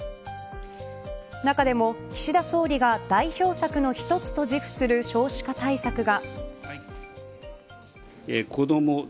中でも岸田総理が代表策の一つと自負する少子化対策が。